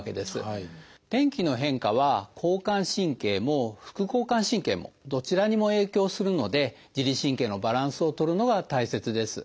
天気の変化は交感神経も副交感神経もどちらにも影響するので自律神経のバランスを取るのが大切です。